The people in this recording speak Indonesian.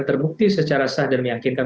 terbukti secara sah dan meyakinkan